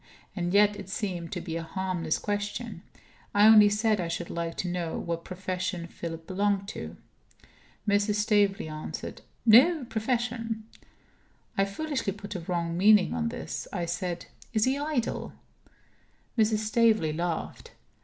And yet it seemed to be a harmless question; I only said I should like to know what profession Philip belonged to. Mrs. Staveley answered: "No profession." I foolishly put a wrong meaning on this. I said: "Is he idle?" Mrs. Staveley laughed.